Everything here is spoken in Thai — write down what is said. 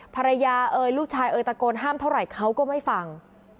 ภรรยาเอ่ยลูกชายเอ่ยตะโกนห้ามเท่าไหร่เขาก็ไม่ฟัง